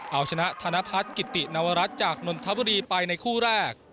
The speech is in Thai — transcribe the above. เอาชนะธนพัฒน์กิตินวรัฐจากนนทบุรีไปในคู่แรก